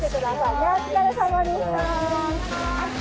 お疲れさまでした。